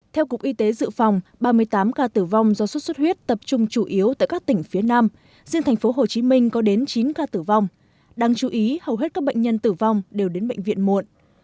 theo cục y tế dự phòng ba mươi tám ca tử vong do xuất xuất huyết tập trung chủ yếu tại các tỉnh phía nam riêng thành phố hồ chí minh có đến chín ca tử vong đáng chú ý hầu hết các bệnh nhân tử vong đều đến bệnh viện muộn